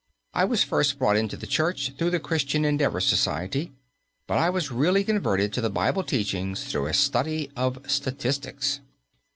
I was first brought into the Church through the Christian Endeavour Society, but I was really converted to the Bible teachings through a study of statistics.